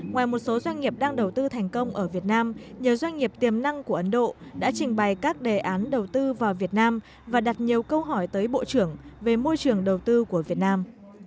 ngoài một số doanh nghiệp đang đầu tư thành công ở việt nam nhiều doanh nghiệp tiềm năng của ấn độ đã trình bày các đề án đầu tư vào việt nam và đặt nhiều câu hỏi tới bộ trưởng về môi trường đầu tư của việt nam